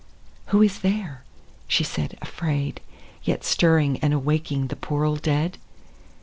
II. Who is there, she said afraid, yet Stirring and awaking The poor old dead?